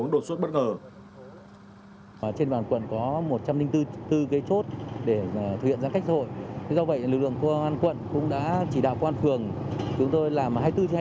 do vậy lực lượng quân quận cũng đã chỉ đạo quan phường chúng tôi làm hai mươi bốn hai mươi bốn